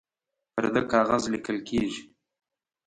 پر ده کاغذ لیکل کیږي